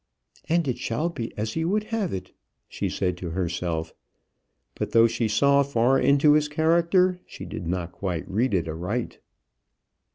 "And it shall be as he would have it," she said to herself. But though she saw far into his character, she did not quite read it aright.